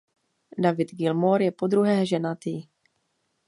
David Gilmour je podruhé ženatý.